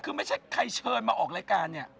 คือไม่ใช่ใครเชิญมาออกรายการเนี่ย